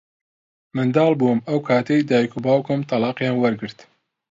منداڵ بووم ئەو کاتەی دیک و باوکم تەڵاقیان وەرگرت.